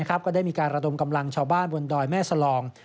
ก็ได้มีการระดมกำลังชาวบ้านบนดอยแม่สลอง